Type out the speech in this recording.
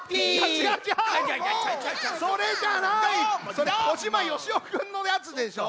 それ小島よしおくんのやつでしょ！